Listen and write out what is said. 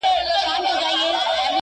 نن د سيند پر غاړه روانــــېـــــــــږمه.